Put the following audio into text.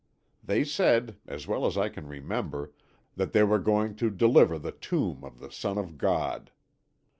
They said, as well as I can remember, that they were going to deliver the tomb of the son of God.